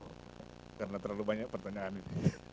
ya karena terlalu banyak pertanyaan ini